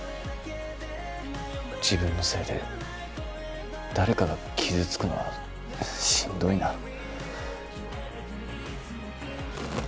自分のせいで誰かが傷つくのはしんどいな。